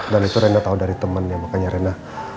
dan itu rena tau dari temennya makanya rena